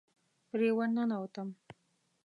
پرې ورننوتم.